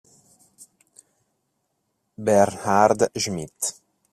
Bernhard Schmid